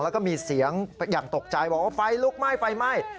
แล้วก็มีเสียงอย่างตกใจบอกว่าไฟลุกไหม้ไฟไหม้